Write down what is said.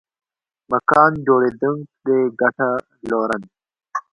مکان جوړېدنک دې ګټه لورن